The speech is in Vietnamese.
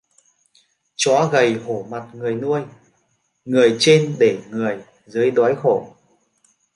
Chó gầy hổ mặt người nuôi: người trên để người dưới đói khổ